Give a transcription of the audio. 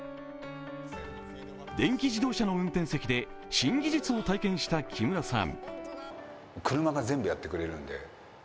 電気自動車の運転席で新技術を体験した木村さん。